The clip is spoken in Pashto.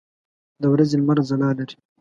د ورځې لمر ځلا لري.